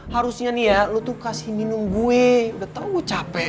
harusnya nih ya lu tuh kasih minum gue udah tau lu capek